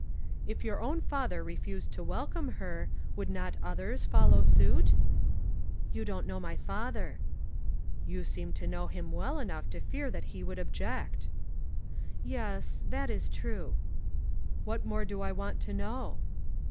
"If your own father refused to welcome her, would not others follow suit?" "You don't know my father." "You seem to know him well enough to fear that he would object." "Yes; that is true." "What more do I want to know?"